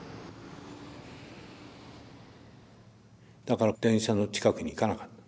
だから電車の近くに行かなかった。